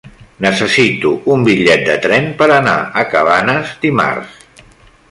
Necessito un bitllet de tren per anar a Cabanes dimarts.